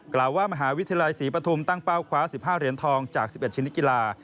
กล่าวว่ามหาวิทยาลัยศรีปฐุมตั้งเป้าคว้า๑๕เหรียญทองจาก๑๑ชนิดกีฬา